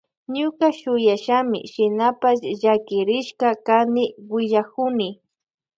Ñuka shuyashami shinapash llakirishka kani willakuni.